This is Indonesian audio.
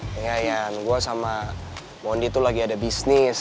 nih ian gue sama bondi tuh lagi ada bisnis